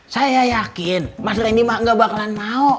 saya yakin mas rendy mah nggak bakalan mau